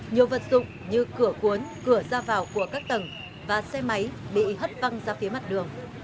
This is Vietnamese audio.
nhiều vật dụng như cửa cuốn cửa ra vào của các tầng và xe máy bị hất văng ra phía mặt đường